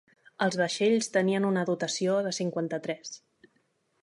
Els vaixells tenien una dotació de cinquanta-tres.